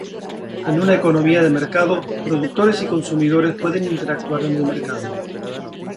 En una economía de mercado, productores y consumidores pueden interactuar en el mercado.